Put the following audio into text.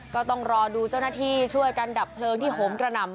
ก็ต้องรอดูเจ้าหน้าที่ช่วยกันดับเพลิงที่โหมกระหน่ำ